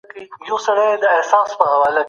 بشري ځواک تر هر څه ارزښتناک دی.